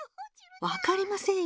わかりませんよ。